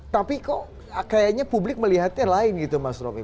tapi kok kayaknya publik melihatnya lain gitu mas romy